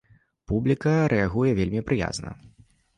Публіка рэагуе вельмі прыязна.